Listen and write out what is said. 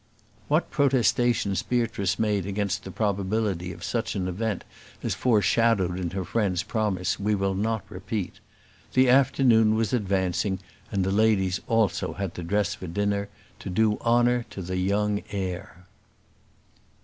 What protestations Beatrice made against the probability of such an event as foreshadowed in her friend's promise we will not repeat. The afternoon was advancing, and the ladies also had to dress for dinner, to do honour to the young heir.